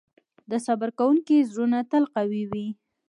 د صبر کوونکي زړونه تل قوي وي.